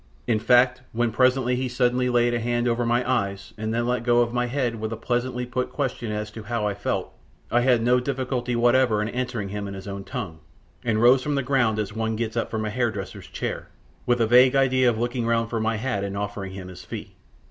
In fact, when presently he suddenly laid a hand over my eyes and then let go of my head with a pleasantly put question as to how I felt, I had no difficulty whatever in answering him in his own tongue, and rose from the ground as one gets from a hair dresser's chair, with a vague idea of looking round for my hat and offering him his fee.